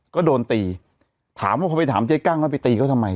ก็โดนตีถามว่าพอไปถามเจ๊กั้งแล้วไปตีเขาทำไม